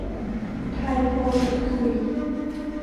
ไทยโพลีอะคริลิค